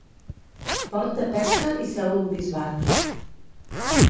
Port de pesca i seu d'un bisbat.